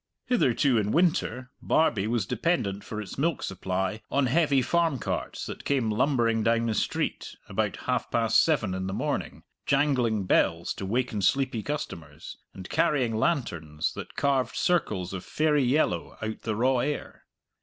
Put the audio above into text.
Hitherto in winter, Barbie was dependent for its milk supply on heavy farm carts that came lumbering down the street, about half past seven in the morning, jangling bells to waken sleepy customers, and carrying lanterns that carved circles of fairy yellow out the raw air.